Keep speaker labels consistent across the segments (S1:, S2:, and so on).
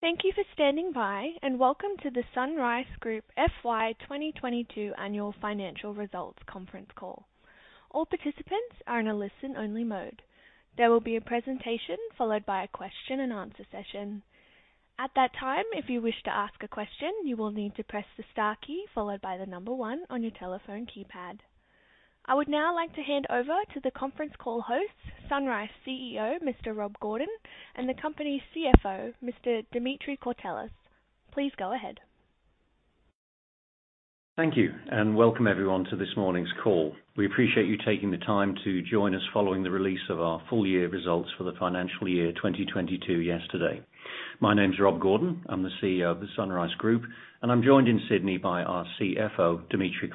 S1: Thank you for standing by, and welcome to the SunRice Group FY 2022 Annual Financial Results Conference Call. All participants are in a listen-only mode. There will be a presentation followed by a question-and-answer session. At that time, if you wish to ask a question, you will need to press the star key followed by the number one on your telephone keypad. I would now like to hand over to the conference call host, SunRice CEO, Mr. Rob Gordon, and the company's CFO, Mr. Dimitri Courtelis. Please go ahead.
S2: Thank you, and welcome everyone to this morning's call. We appreciate you taking the time to join us following the release of our full year results for the financial year 2022 yesterday. My name's Rob Gordon. I'm the CEO of the SunRice Group, and I'm joined in Sydney by our CFO, Dimitri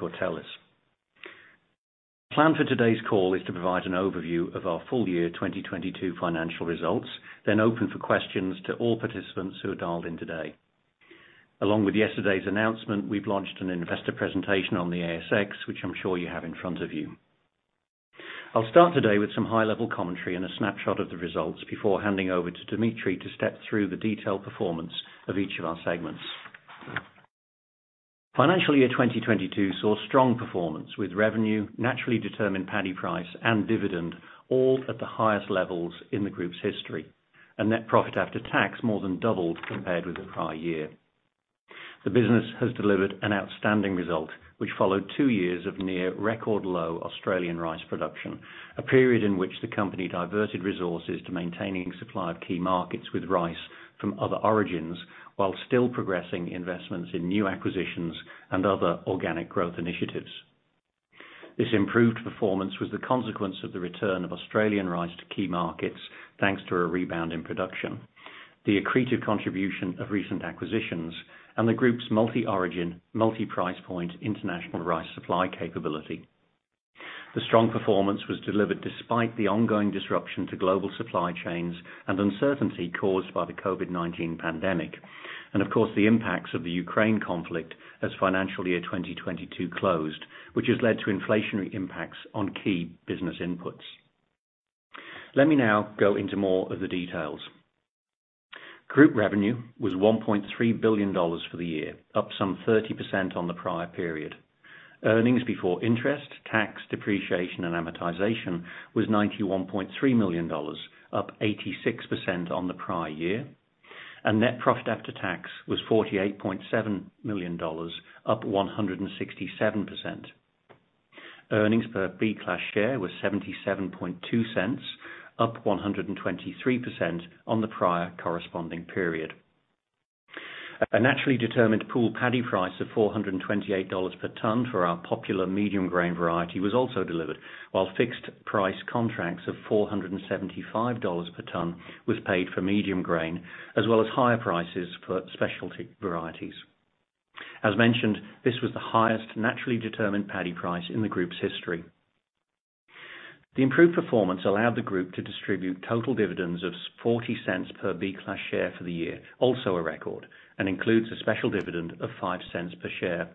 S2: Courtelis. Plan for today's call is to provide an overview of our full-year 2022 financial results, then open for questions to all participants who are dialed in today. Along with yesterday's announcement, we've launched an investor presentation on the ASX, which I'm sure you have in front of you. I'll start today with some high-level commentary and a snapshot of the results before handing over to Dimitri to step through the detailed performance of each of our segments. Financial year 2022 saw strong performance with revenue, naturally determined paddy price, and dividend all at the highest levels in the group's history. Net profit after tax more than doubled compared with the prior year. The business has delivered an outstanding result, which followed two years of near record low Australian rice production, a period in which the company diverted resources to maintaining supply of key markets with rice from other origins, while still progressing investments in new acquisitions and other organic growth initiatives. This improved performance was the consequence of the return of Australian rice to key markets, thanks to a rebound in production. The accretive contribution of recent acquisitions and the group's multi-origin, multi-price point International Rice supply capability. The strong performance was delivered despite the ongoing disruption to global supply chains and uncertainty caused by the COVID-19 pandemic and, of course, the impacts of the Ukraine conflict as financial year 2022 closed, which has led to inflationary impacts on key business inputs. Let me now go into more of the details. Group revenue was 1.3 billion dollars for the year, up some 30% on the prior period. Earnings before interest, tax, depreciation, and amortization was 91.3 million dollars, up 86% on the prior year. Net profit after tax was 48.7 million dollars, up 167%. Earnings per B Class Share was 0.772, up 123% on the prior corresponding period. A naturally determined pool paddy price of 428 dollars per ton for our popular medium grain variety was also delivered while fixed price contracts of 475 dollars per ton was paid for medium grain, as well as higher prices for specialty varieties. As mentioned, this was the highest naturally determined paddy price in the group's history. The improved performance allowed the group to distribute total dividends of 0.40 per B Class Share for the year, also a record, and includes a special dividend of 0.05 per share.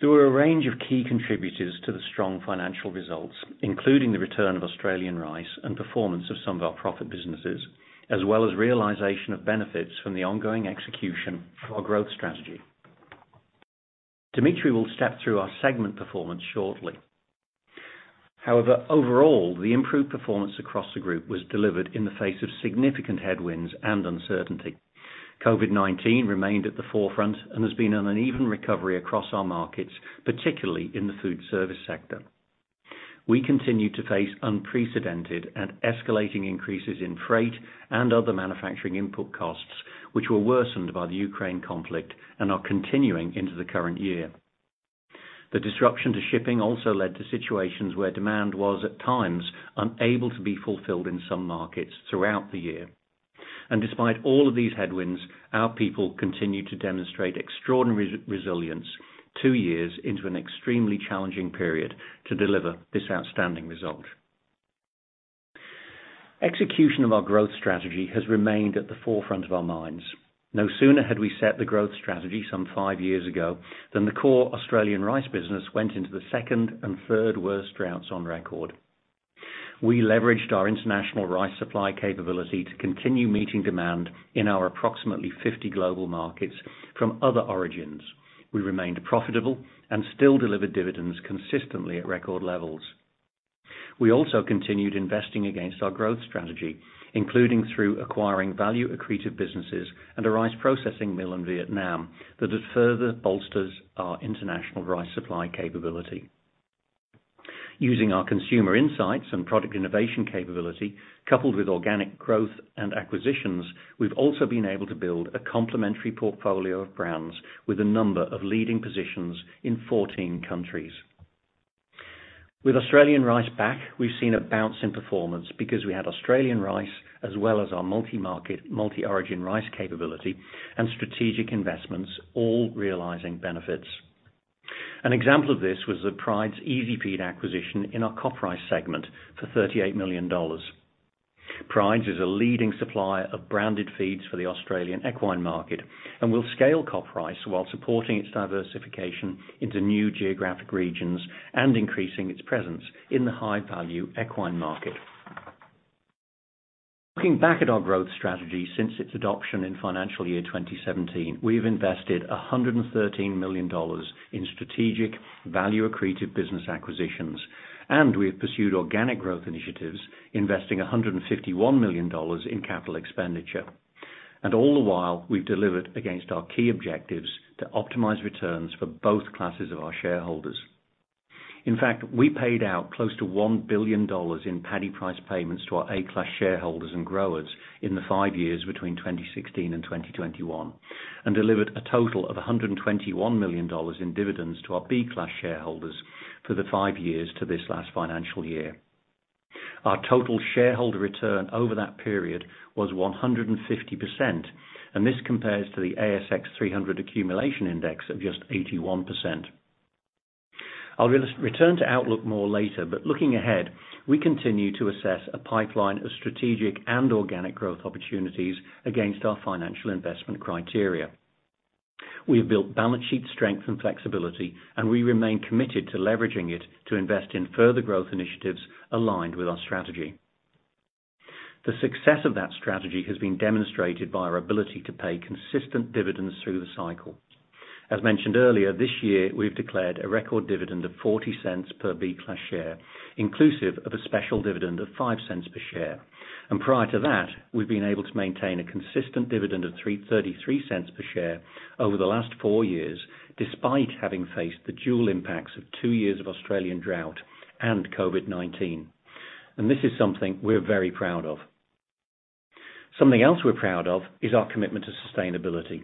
S2: There were a range of key contributors to the strong financial results, including the return of Australian rice and performance of some of our profit businesses, as well as realization of benefits from the ongoing execution of our growth strategy. Dimitri will step through our segment performance shortly. However, overall, the improved performance across the group was delivered in the face of significant headwinds and uncertainty. COVID-19 remained at the forefront and has been an uneven recovery across our markets, particularly in the food service sector. We continue to face unprecedented and escalating increases in freight and other manufacturing input costs, which were worsened by the Ukraine conflict and are continuing into the current year. The disruption to shipping also led to situations where demand was, at times, unable to be fulfilled in some markets throughout the year. Despite all of these headwinds, our people continued to demonstrate extraordinary resilience two years into an extremely challenging period to deliver this outstanding result. Execution of our growth strategy has remained at the forefront of our minds. No sooner had we set the growth strategy some five years ago than the core Australian rice business went into the second and third worst droughts on record. We leveraged our International Rice supply capability to continue meeting demand in our approximately 50 global markets from other origins. We remained profitable and still delivered dividends consistently at record levels. We also continued investing against our growth strategy, including through acquiring value accretive businesses and a rice processing mill in Vietnam that it further bolsters our International Rice supply capability. Using our consumer insights and product innovation capability, coupled with organic growth and acquisitions, we've also been able to build a complementary portfolio of brands with a number of leading positions in 14 countries. With Australian rice back, we've seen a bounce in performance because we had Australian rice as well as our multi-market, multi-origin rice capability and strategic investments all realizing benefits. An example of this was the Pryde's EasiFeed acquisition in our CopRice segment for 38 million dollars. Pryde's EasiFeed is a leading supplier of branded feeds for the Australian equine market and will scale CopRice while supporting its diversification into new geographic regions and increasing its presence in the high-value equine market. Looking back at our growth strategy since its adoption in financial year 2017, we've invested 113 million dollars in strategic value accretive business acquisitions, and we have pursued organic growth initiatives, investing 151 million dollars in capital expenditure. All the while, we've delivered against our key objectives to optimize returns for both classes of our shareholders. In fact, we paid out close to 1 billion dollars in paddy price payments to our A Class shareholders and growers in the five years between 2016 and 2021, and delivered a total of 121 million dollars in dividends to our B Class shareholders for the five years to this last financial year. Our total shareholder return over that period was 150%, and this compares to the ASX 300 accumulation index of just 81%. I'll return to outlook more later, but looking ahead, we continue to assess a pipeline of strategic and organic growth opportunities against our financial investment criteria. We have built balance sheet strength and flexibility, and we remain committed to leveraging it to invest in further growth initiatives aligned with our strategy. The success of that strategy has been demonstrated by our ability to pay consistent dividends through the cycle. As mentioned earlier, this year, we've declared a record dividend of 0.40 per B Class Share, inclusive of a special dividend of 0.05 per share. Prior to that, we've been able to maintain a consistent dividend of 0.33 per share over the last four years, despite having faced the dual impacts of two years of Australian drought and COVID-19. This is something we're very proud of. Something else we're proud of is our commitment to sustainability.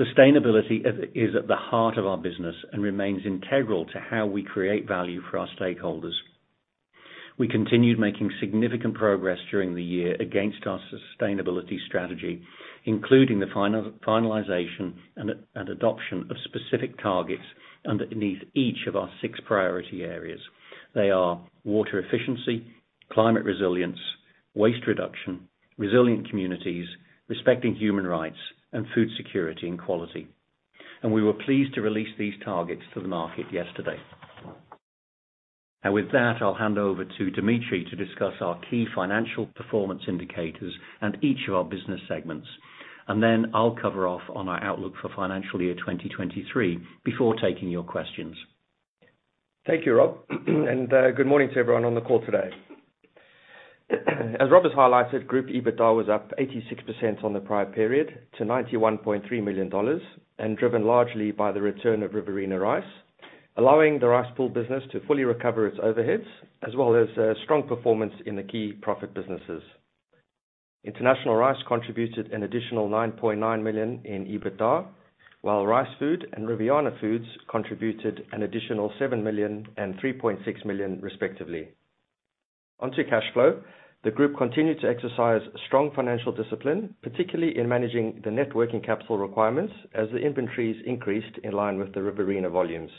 S2: Sustainability is at the heart of our business and remains integral to how we create value for our stakeholders. We continued making significant progress during the year against our sustainability strategy, including the finalization and adoption of specific targets underneath each of our six priority areas. They are water efficiency, climate resilience, waste reduction, resilient communities, respecting human rights, and food security and quality. We were pleased to release these targets to the market yesterday. With that, I'll hand over to Dimitri to discuss our key financial performance indicators and each of our business segments. Then I'll cover off on our outlook for financial year 2023 before taking your questions.
S3: Thank you, Rob. Good morning to everyone on the call today. As Rob has highlighted, Group EBITDA was up 86% on the prior period to 91.3 million dollars and driven largely by the return of Riverina Rice, allowing the Rice Pool business to fully recover its overheads as well as strong performance in the key profit businesses. International Rice contributed an additional 9.9 million in EBITDA, while Rice Food and Riviana Foods contributed an additional 7 million and 3.6 million respectively. Onto cash flow. The group continued to exercise strong financial discipline, particularly in managing the net working capital requirements as the inventories increased in line with the Riverina volumes.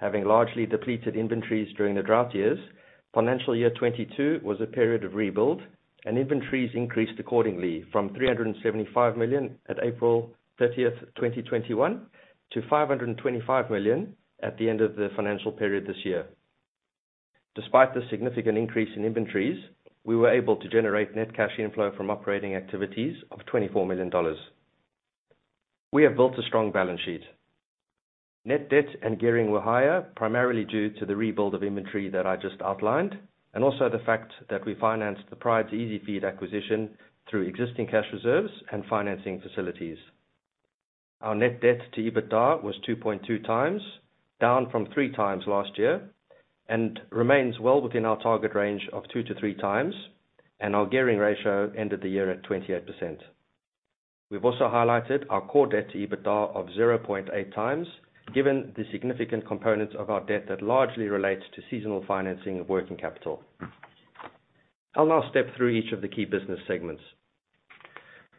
S3: Having largely depleted inventories during the drought years, financial year 2022 was a period of rebuild, and inventories increased accordingly from 375 million at April 30th, 2021 to 525 million at the end of the financial period this year. Despite the significant increase in inventories, we were able to generate net cash inflow from operating activities of 24 million dollars. We have built a strong balance sheet. Net debt and gearing were higher, primarily due to the rebuild of inventory that I just outlined, and also the fact that we financed the Pryde's EasiFeed acquisition through existing cash reserves and financing facilities. Our net debt to EBITDA was 2.2x, down from 3x last year, and remains well within our target range of 2x-3x, and our gearing ratio ended the year at 28%. We've also highlighted our core debt to EBITDA of 0.8x, given the significant components of our debt that largely relates to seasonal financing of working capital. I'll now step through each of the key business segments.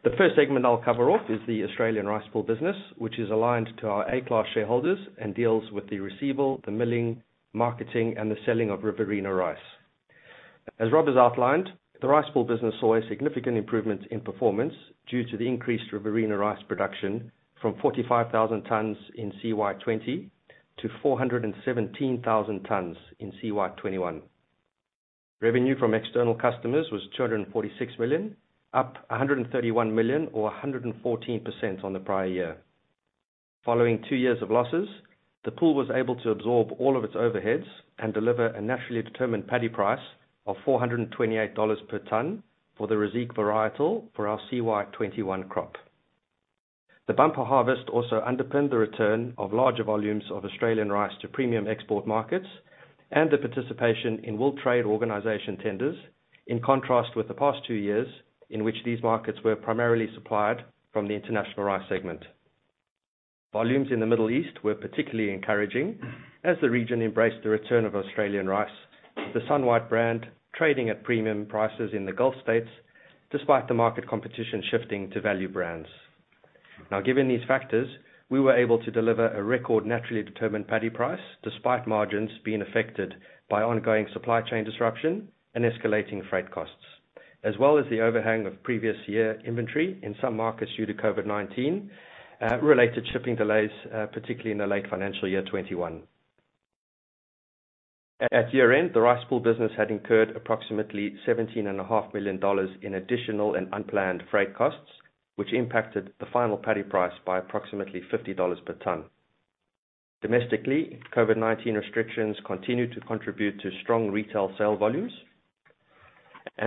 S3: The first segment I'll cover off is the Australian Rice Pool business, which is aligned to our A Class shareholders and deals with the receiving, the milling, marketing, and the selling of Riverina Rice. As Rob has outlined, the Rice Pool business saw a significant improvement in performance due to the increased Riverina Rice production from 45,000 tons in CY 2020 to 417,000 tons in CY 2021. Revenue from external customers was 246 million, up 131 million or 114% on the prior year. Following two years of losses, the pool was able to absorb all of its overheads and deliver a naturally determined paddy price of 428 dollars per ton for the Reiziq varietal for our CY 2021 crop. The bumper harvest also underpinned the return of larger volumes of Australian rice to premium export markets and the participation in World Trade Organization tenders, in contrast with the past two years in which these markets were primarily supplied from the International Rice segment. Volumes in the Middle East were particularly encouraging as the region embraced the return of Australian rice, the SunRice brand trading at premium prices in the Gulf States despite the market competition shifting to value brands. Now, given these factors, we were able to deliver a record naturally determined paddy price, despite margins being affected by ongoing supply chain disruption and escalating freight costs, as well as the overhang of previous year inventory in some markets due to COVID-19 related shipping delays, particularly in the late financial year 2021. At year-end, the Rice Pool business had incurred approximately 17.5 million dollars in additional and unplanned freight costs, which impacted the final paddy price by approximately 50 dollars per ton. Domestically, COVID-19 restrictions continued to contribute to strong retail sale volumes.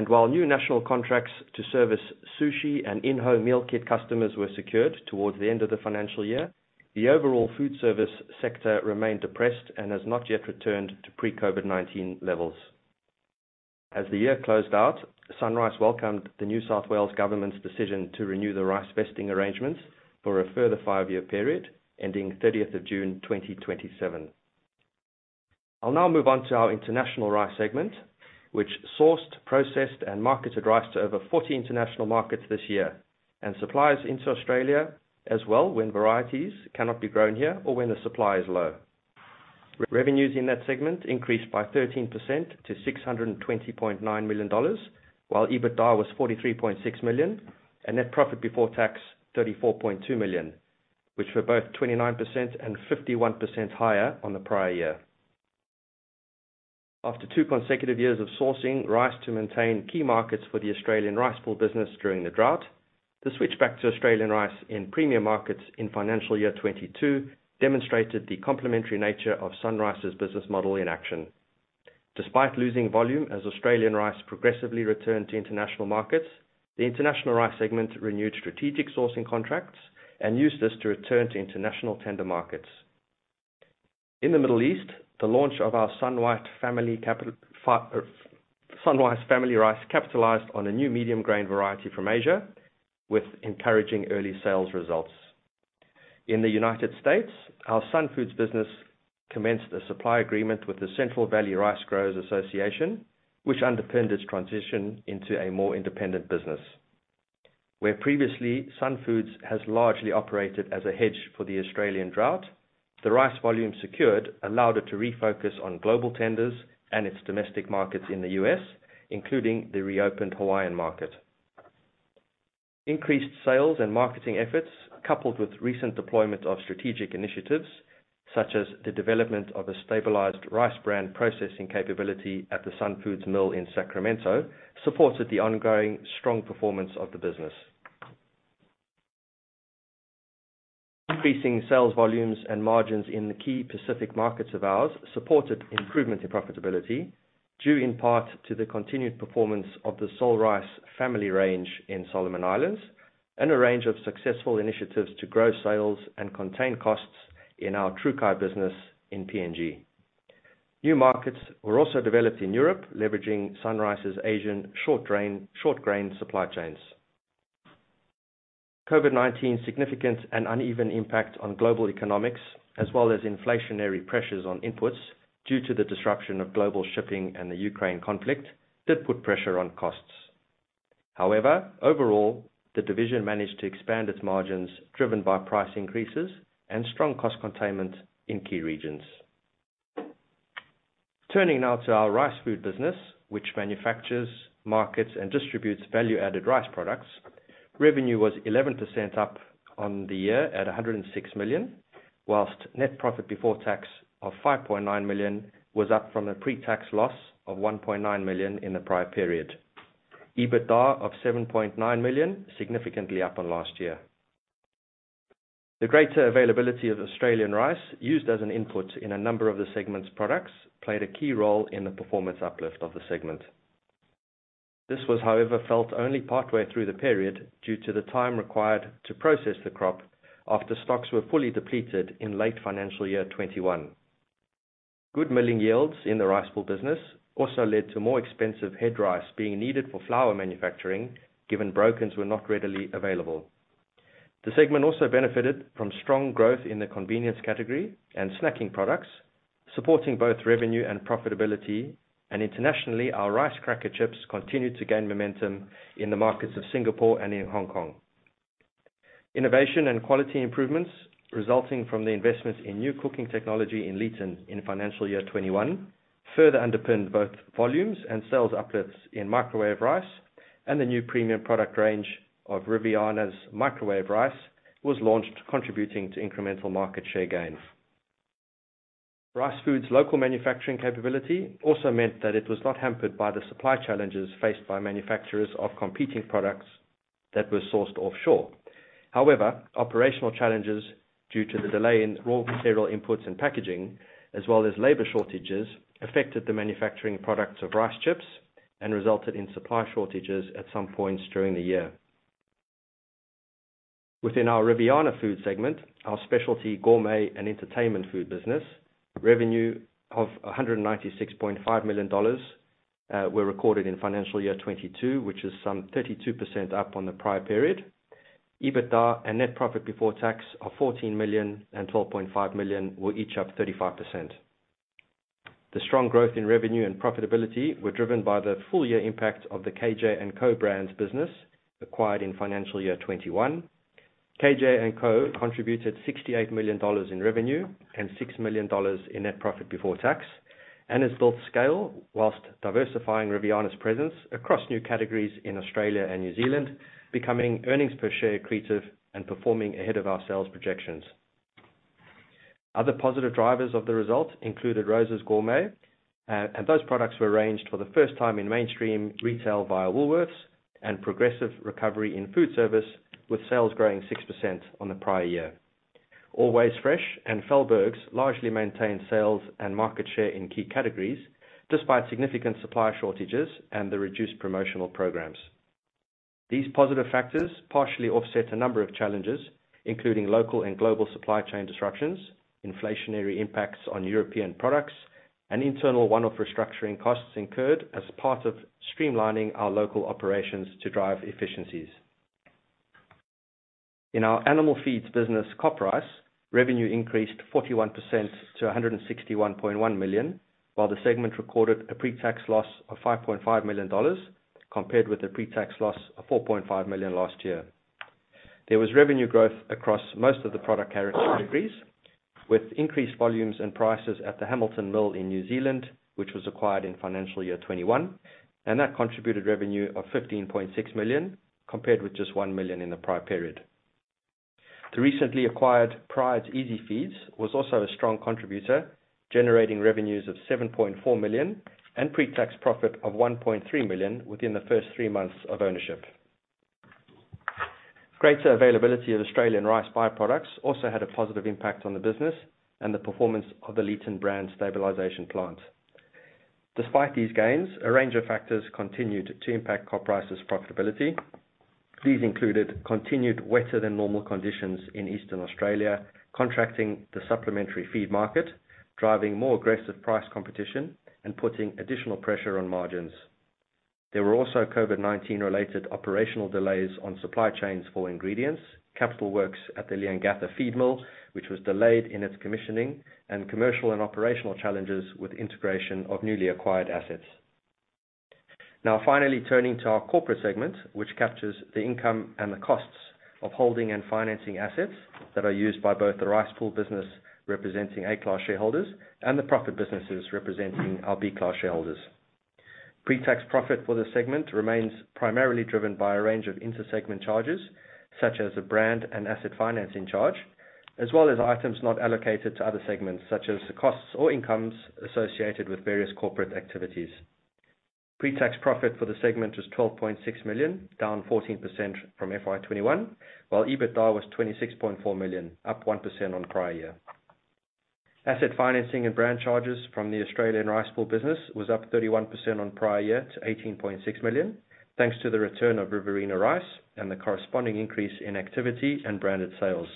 S3: While new national contracts to service sushi and in-home meal kit customers were secured towards the end of the financial year, the overall food service sector remained depressed and has not yet returned to pre-COVID-19 levels. As the year closed out, SunRice welcomed the New South Wales government's decision to renew the rice vesting arrangements for a further five-year period ending 30th of June 2027. I'll now move on to our International Rice segment, which sourced, processed, and marketed rice to over 40 international markets this year, and supplies into Australia as well, when varieties cannot be grown here or when the supply is low. Revenues in that segment increased by 13% to 620.9 million dollars, while EBITDA was 43.6 million and net profit before tax 34.2 million, which were both 29% and 51% higher on the prior year. After two consecutive years of sourcing rice to maintain key markets for the Australian Rice Pool business during the drought, the switch back to Australian rice in premium markets in financial year 2022 demonstrated the complementary nature of SunRice's business model in action. Despite losing volume as Australian rice progressively returned to international markets, the International Rice segment renewed strategic sourcing contracts and used this to return to international tender markets. In the Middle East, the launch of our SunRice family rice capitalized on a new medium grain variety from Asia with encouraging early sales results. In the United States, our SunFoods business commenced a supply agreement with the Central Valley Rice Growers Association, which underpinned its transition into a more independent business. Where previously SunFoods has largely operated as a hedge for the Australian drought, the rice volume secured allowed it to refocus on global tenders and its domestic markets in the U.S., including the reopened Hawaiian market. Increased sales and marketing efforts, coupled with recent deployment of strategic initiatives such as the development of a stabilized rice bran processing capability at the SunFoods mill in Sacramento, supported the ongoing strong performance of the business. Increasing sales volumes and margins in the key Pacific markets of ours supported improvement in profitability, due in part to the continued performance of the SolRice family range in Solomon Islands and a range of successful initiatives to grow sales and contain costs in our Trukai business in PNG. New markets were also developed in Europe, leveraging SunRice's Asian short grain supply chains. COVID-19's significant and uneven impact on global economy as well as inflationary pressures on inputs due to the disruption of global shipping and the Ukraine conflict did put pressure on costs. However, overall, the division managed to expand its margins driven by price increases and strong cost containment in key regions. Turning now to our Rice Food business, which manufactures, markets, and distributes value-added rice products. Revenue was 11% up on the year at 106 million, whilst net profit before tax of 5.9 million was up from a pre-tax loss of 1.9 million in the prior period. EBITDA of 7.9 million, significantly up on last year. The greater availability of Australian rice used as an input in a number of the segment's products played a key role in the performance uplift of the segment. This was, however, felt only partway through the period due to the time required to process the crop after stocks were fully depleted in late financial year 2021. Good milling yields in the Rice Pool business also led to more expensive head rice being needed for flour manufacturing, given brokens were not readily available. The segment also benefited from strong growth in the convenience category and snacking products, supporting both revenue and profitability. Internationally, our rice cracker chips continued to gain momentum in the markets of Singapore and in Hong Kong. Innovation and quality improvements resulting from the investments in new cooking technology in Leeton in financial year 2021 further underpinned both volumes and sales uplifts in microwave rice and the new premium product range of Riviana's microwave rice was launched, contributing to incremental market share gains. Rice Food's local manufacturing capability also meant that it was not hampered by the supply challenges faced by manufacturers of competing products that were sourced offshore. However, operational challenges due to the delay in raw material inputs and packaging, as well as labor shortages, affected the manufacturing products of rice chips and resulted in supply shortages at some points during the year. Within our Riviana Foods segment, our specialty gourmet and entertainment food business, revenue of 196.5 million dollars were recorded in financial year 2022, which is some 32% up on the prior period. EBITDA and net profit before tax of 14 million and 12.5 million were each up 35%. The strong growth in revenue and profitability were driven by the full-year impact of the KJ&Co. Brands business acquired in financial year 2021. KJ&Co. contributed 68 million dollars in revenue and 6 million dollars in net profit before tax, and has built scale while diversifying Riviana's presence across new categories in Australia and New Zealand, becoming earnings per share accretive and performing ahead of our sales projections. Other positive drivers of the results included Roza's Gourmet. Those products were ranged for the first time in mainstream retail via Woolworths and progressive recovery in food service, with sales growing 6% on the prior year. Always Fresh and Fehlbergs' largely maintained sales and market share in key categories, despite significant supply shortages and the reduced promotional programs. These positive factors partially offset a number of challenges, including local and global supply chain disruptions, inflationary impacts on European products, and internal one-off restructuring costs incurred as part of streamlining our local operations to drive efficiencies. In our animal feeds business, CopRice, revenue increased 41% to 161.1 million, while the segment recorded a pre-tax loss of 5.5 million dollars, compared with a pre-tax loss of 4.5 million last year. There was revenue growth across most of the product categories, with increased volumes and prices at the Hamilton Mill in New Zealand, which was acquired in financial year 2021, and that contributed revenue of 15.6 million compared with just 1 million in the prior period. The recently acquired Pryde's EasiFeed was also a strong contributor, generating revenues of 7.4 million and pre-tax profit of 1.3 million within the first three months of ownership. Greater availability of Australian rice by-products also had a positive impact on the business and the performance of the Leeton bran stabilization plant. Despite these gains, a range of factors continued to impact CopRice's profitability. These included continued wetter than normal conditions in Eastern Australia, contracting the supplementary feed market, driving more aggressive price competition and putting additional pressure on margins. There were also COVID-19 related operational delays on supply chains for ingredients, capital works at the Leongatha feed mill, which was delayed in its commissioning, and commercial and operational challenges with integration of newly acquired assets. Now finally, turning to our corporate segment, which captures the income and the costs of holding and financing assets that are used by both the Rice Pool business, representing A Class shareholders, and the profit businesses representing our B Class shareholders. Pre-tax profit for the segment remains primarily driven by a range of inter-segment charges, such as the brand and asset financing charge, as well as items not allocated to other segments, such as the costs or incomes associated with various corporate activities. Pre-tax profit for the segment was 12.6 million, down 14% from FY 2021, while EBITDA was 26.4 million, up 1% on prior year. Asset financing and brand charges from the Australian Rice Pool business was up 31% on prior year to 18.6 million, thanks to the return of Riverina Rice and the corresponding increase in activity and branded sales.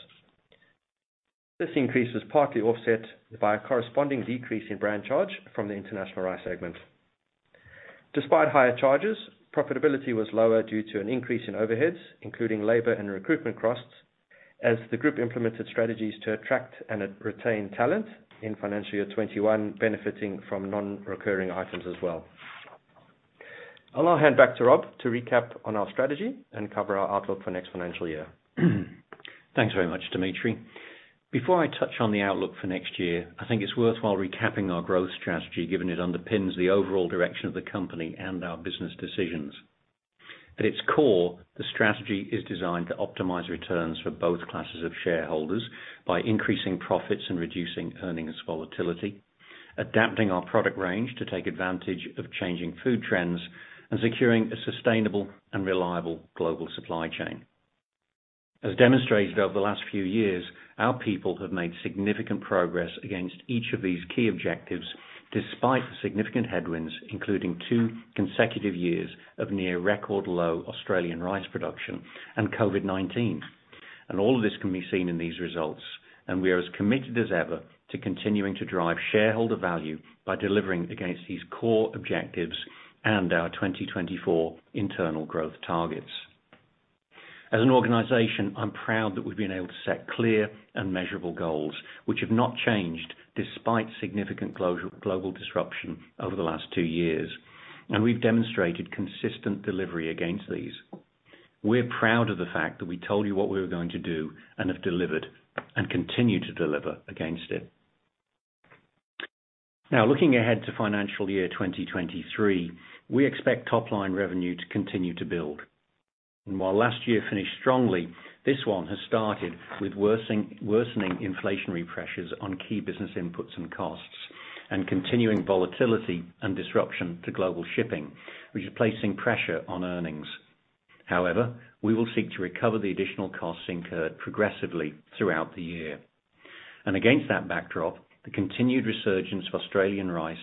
S3: This increase was partly offset by a corresponding decrease in brand charge from the International Rice segment. Despite higher charges, profitability was lower due to an increase in overheads, including labor and recruitment costs, as the group implemented strategies to attract and retain talent in financial year 2021, benefiting from non-recurring items as well. I'll now hand back to Rob to recap on our strategy and cover our outlook for next financial year.
S2: Thanks very much, Dimitri. Before I touch on the outlook for next year, I think it's worthwhile recapping our growth strategy, given it underpins the overall direction of the company and our business decisions. At its core, the strategy is designed to optimize returns for both classes of shareholders by increasing profits and reducing earnings volatility, adapting our product range to take advantage of changing food trends, and securing a sustainable and reliable global supply chain. As demonstrated over the last few years, our people have made significant progress against each of these key objectives, despite significant headwinds, including two consecutive years of near record low Australian rice production and COVID-19. All of this can be seen in these results, and we are as committed as ever to continuing to drive shareholder value by delivering against these core objectives and our 2024 internal growth targets. As an organization, I'm proud that we've been able to set clear and measurable goals which have not changed despite significant global disruption over the last two years, and we've demonstrated consistent delivery against these. We're proud of the fact that we told you what we were going to do and have delivered and continue to deliver against it. Now, looking ahead to financial year 2023, we expect top line revenue to continue to build. While last year finished strongly, this one has started with worsening inflationary pressures on key business inputs and costs and continuing volatility and disruption to global shipping, which is placing pressure on earnings. However, we will seek to recover the additional costs incurred progressively throughout the year. Against that backdrop, the continued resurgence of Australian rice,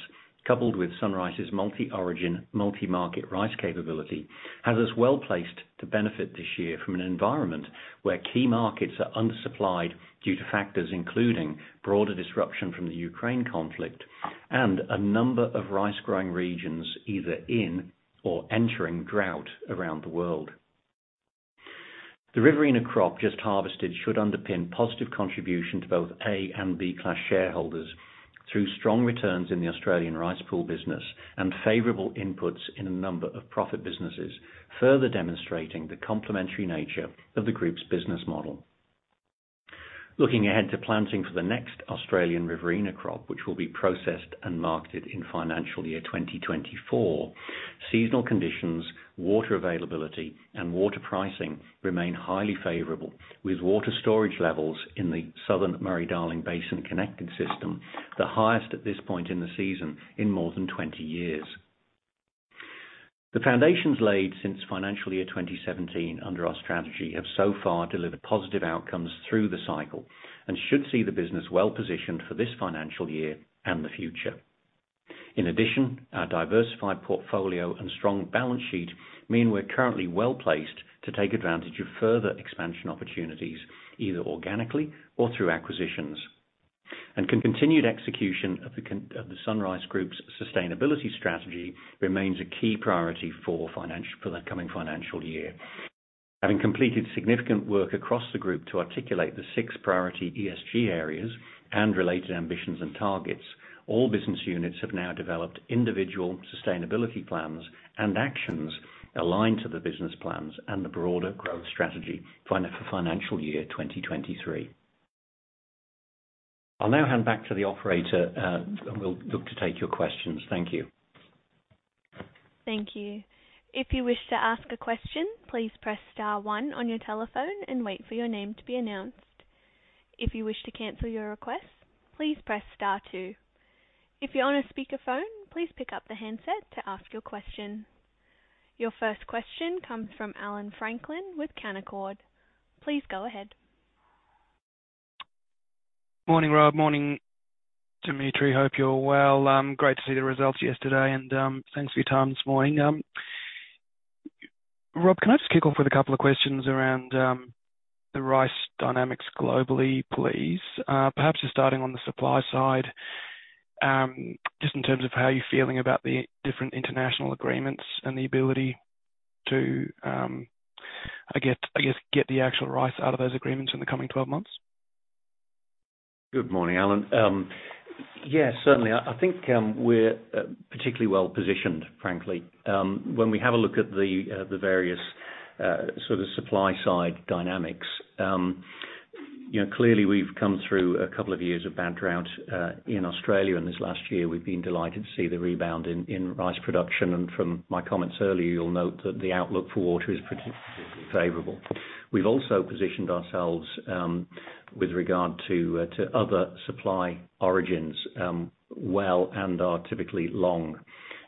S2: coupled with SunRice's multi-origin, multi-market rice capability, has us well-placed to benefit this year from an environment where key markets are undersupplied due to factors including broader disruption from the Ukraine conflict and a number of rice growing regions either in or entering drought around the world. The Riverina crop just harvested should underpin positive contribution to both A Class and B Class shareholders through strong returns in the Australian Rice Pool business and favorable inputs in a number of profit businesses, further demonstrating the complementary nature of the group's business model. Looking ahead to planting for the next Australian Riverina crop, which will be processed and marketed in financial year 2024. Seasonal conditions, water availability, and water pricing remain highly favorable, with water storage levels in the southern Murray-Darling Basin connected system, the highest at this point in the season in more than 20 years. The foundations laid since financial year 2017 under our strategy have so far delivered positive outcomes through the cycle, and should see the business well-positioned for this financial year and the future. In addition, our diversified portfolio and strong balance sheet mean we're currently well-placed to take advantage of further expansion opportunities, either organically or through acquisitions. Continued execution of the SunRice Group's sustainability strategy remains a key priority for the coming financial year. Having completed significant work across the group to articulate the six priority ESG areas and related ambitions and targets, all business units have now developed individual sustainability plans and actions aligned to the business plans and the broader growth strategy for financial year 2023. I'll now hand back to the operator, and we'll look to take your questions. Thank you.
S1: Thank you. If you wish to ask a question, please press star one on your telephone and wait for your name to be announced. If you wish to cancel your request, please press star two. If you're on a speakerphone, please pick up the handset to ask your question. Your first question comes from Alan Franklin with Canaccord Genuity. Please go ahead.
S4: Morning, Rob. Morning, Dimitri. Hope you're well. Great to see the results yesterday and, thanks for your time this morning. Rob, can I just kick off with a couple of questions around the rice dynamics globally, please? Perhaps just starting on the supply side, just in terms of how you're feeling about the different international agreements and the ability to get the actual rice out of those agreements in the coming 12 months.
S2: Good morning, Alan. Yeah, certainly. I think we're particularly well-positioned, frankly. When we have a look at the various sort of supply side dynamics, you know, clearly we've come through a couple of years of bad drought in Australia, and this last year we've been delighted to see the rebound in rice production. From my comments earlier, you'll note that the outlook for water is particularly favorable. We've also positioned ourselves with regard to other supply origins well and are typically long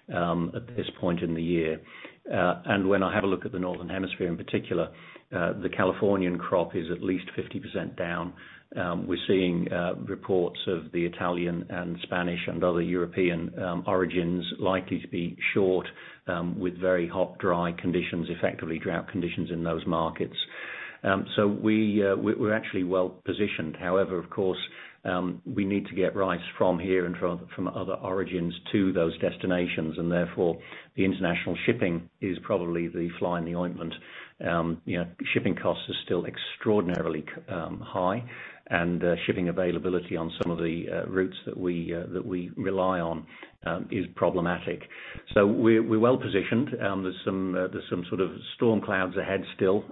S2: at this point in the year. When I have a look at the northern hemisphere in particular, the Californian crop is at least 50% down. We're seeing reports of the Italian and Spanish and other European origins likely to be short with very hot, dry conditions, effectively drought conditions in those markets. We're actually well-positioned. However, of course, we need to get rice from here and from other origins to those destinations, and therefore, the international shipping is probably the fly in the ointment. You know, shipping costs are still extraordinarily high, and shipping availability on some of the routes that we rely on is problematic. We're well-positioned. There's some sort of storm clouds ahead still,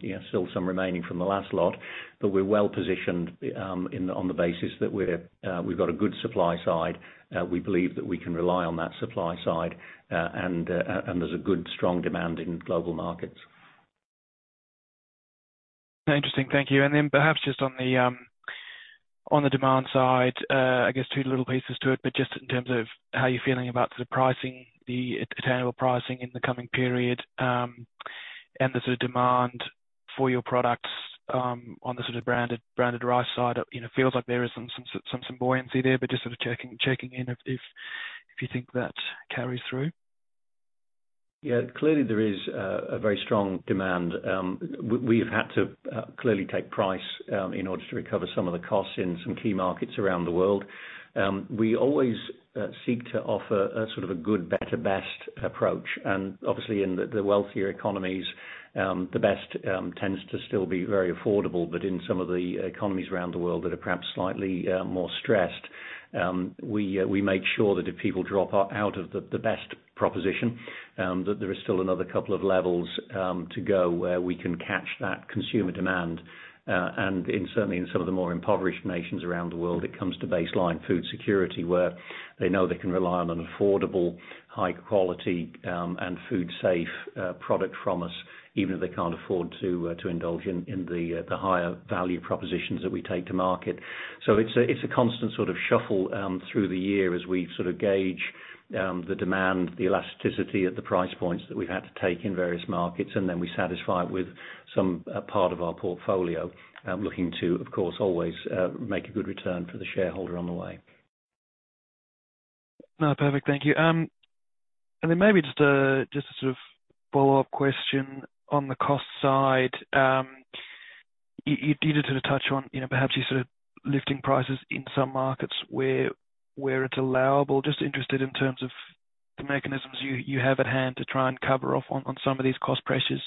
S2: you know, still some remaining from the last lot, but we're well-positioned on the basis that we've got a good supply side. We believe that we can rely on that supply side, and there's a good strong demand in global markets.
S4: Interesting. Thank you. Perhaps just on the demand side, I guess two little pieces to it, but just in terms of how you're feeling about the pricing, the attainable pricing in the coming period, and the sort of demand for your products, on the sort of branded rice side. You know, it feels like there is some buoyancy there, but just sort of checking in if you think that carries through.
S2: Yeah. Clearly there is a very strong demand. We've had to clearly take price in order to recover some of the costs in some key markets around the world. We always seek to offer a sort of a good, better, best approach. Obviously in the wealthier economies, the best tends to still be very affordable. In some of the economies around the world that are perhaps slightly more stressed, we make sure that if people drop out of the best proposition, that there is still another couple of levels to go where we can catch that consumer demand. In certainly in some of the more impoverished nations around the world, it comes to baseline food security, where they know they can rely on an affordable, high quality, and food safe product from us, even if they can't afford to to indulge in in the the higher value propositions that we take to market. It's a constant sort of shuffle through the year as we sort of gauge the demand, the elasticity at the price points that we've had to take in various markets, and then we satisfy it with some part of our portfolio, looking to, of course, always make a good return for the shareholder on the way.
S4: No, perfect. Thank you. Then maybe just a sort of follow-up question on the cost side. You did sort of touch on, you know, perhaps you're sort of lifting prices in some markets where it's allowable. Just interested in terms of the mechanisms you have at hand to try and cover off on some of these cost pressures.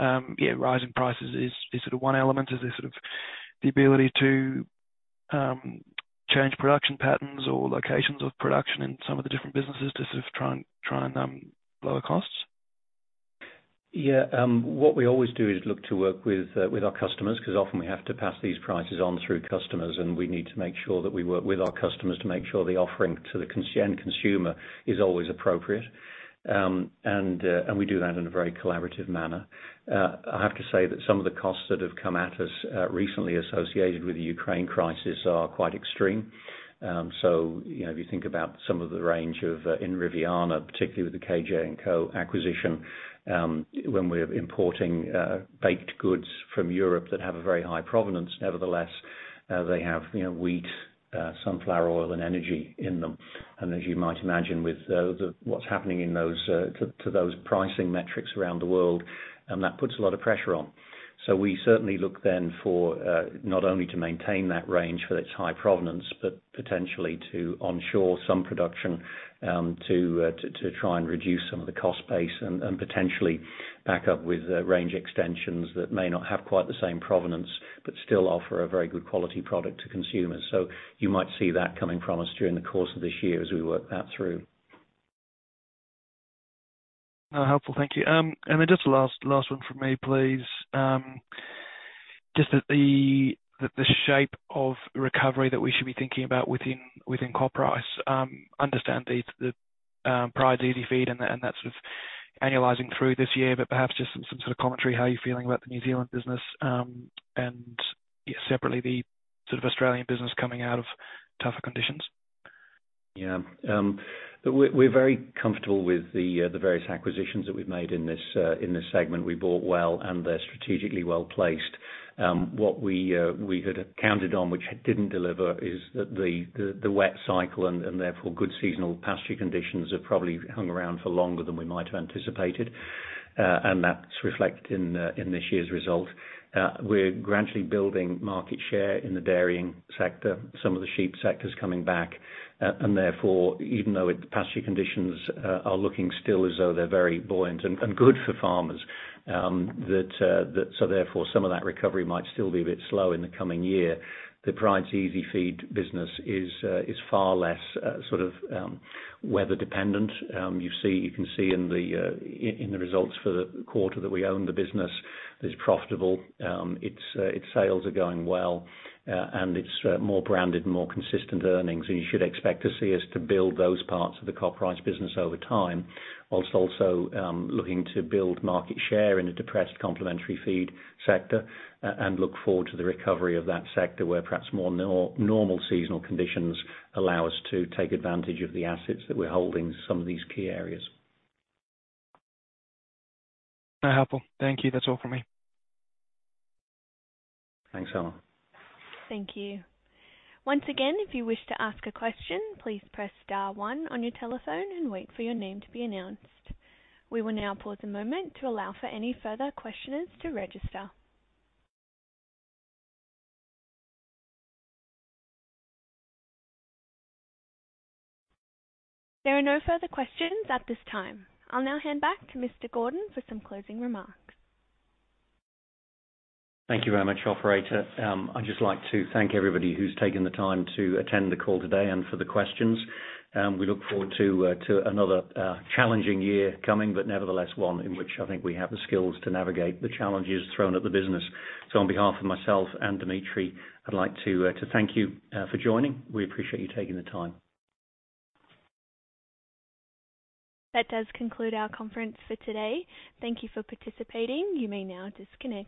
S4: Yeah, rising prices is sort of one element. Is there sort of the ability to change production patterns or locations of production in some of the different businesses to sort of try and lower costs?
S2: Yeah, what we always do is look to work with our customers, because often we have to pass these prices on through customers, and we need to make sure that we work with our customers to make sure the offering to the end consumer is always appropriate. And we do that in a very collaborative manner. I have to say that some of the costs that have come at us recently associated with the Ukraine crisis are quite extreme. So you know, if you think about some of the range of, in Riviana, particularly with the KJ&Co acquisition, when we're importing baked goods from Europe that have a very high provenance. Nevertheless, they have, you know, wheat, sunflower oil and energy in them. As you might imagine, with what's happening to those pricing metrics around the world, and that puts a lot of pressure on. We certainly look then for not only to maintain that range for its high provenance, but potentially to onshore some production to try and reduce some of the cost base and potentially back up with range extensions that may not have quite the same provenance but still offer a very good quality product to consumers. You might see that coming from us during the course of this year as we work that through.
S4: Helpful. Thank you. Just the last one from me, please. Just that the shape of recovery that we should be thinking about within CopRice, understand the Pryde's EasiFeed and that sort of annualizing through this year, but perhaps just some sort of commentary, how you're feeling about the New Zealand business, and separately, the sort of Australian business coming out of tougher conditions.
S2: Yeah. We're very comfortable with the various acquisitions that we've made in this segment. We bought well, and they're strategically well-placed. What we had accounted on which didn't deliver is that the wet cycle and therefore good seasonal pasture conditions have probably hung around for longer than we might have anticipated. That's reflected in this year's result. We're gradually building market share in the dairying sector. Some of the sheep sector's coming back. Therefore, even though pasture conditions are looking still as though they're very buoyant and good for farmers, so some of that recovery might still be a bit slow in the coming year. The Pryde's EasiFeed business is far less sort of weather-dependent. You see, you can see in the results for the quarter that we own the business is profitable. Its sales are going well, and it's more branded, more consistent earnings. You should expect to see us to build those parts of the CopRice business over time. Also, looking to build market share in a depressed complementary feed sector, and look forward to the recovery of that sector, where perhaps more normal seasonal conditions allow us to take advantage of the assets that we're holding in some of these key areas.
S4: How helpful. Thank you. That's all for me.
S2: Thanks, Alan.
S1: Thank you. Once again, if you wish to ask a question, please press star one on your telephone and wait for your name to be announced. We will now pause a moment to allow for any further questioners to register. There are no further questions at this time. I'll now hand back to Mr. Gordon for some closing remarks.
S2: Thank you very much, operator. I'd just like to thank everybody who's taken the time to attend the call today and for the questions. We look forward to another challenging year coming, but nevertheless, one in which I think we have the skills to navigate the challenges thrown at the business. On behalf of myself and Dimitri, I'd like to thank you for joining. We appreciate you taking the time.
S1: That does conclude our conference for today. Thank you for participating. You may now disconnect.